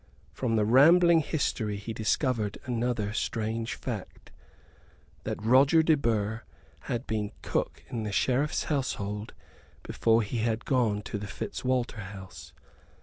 From the rambling history he discovered another strange fact, that Roger de Burgh had been cook in the Sheriff's household before he had gone to the Fitzwalter house.